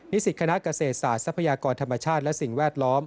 สิตคณะเกษตรศาสตร์ทรัพยากรธรรมชาติและสิ่งแวดล้อม